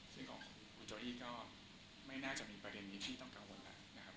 ซึ่งของคุณโจอี้ก็ไม่น่าจะมีประเด็นนี้ที่ต้องกังวลแล้วนะครับ